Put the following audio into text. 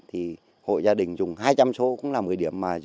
hội gia đình dùng hai trăm linh số cũng là một mươi điểm